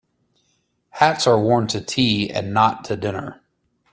Hats are worn to tea and not to dinner.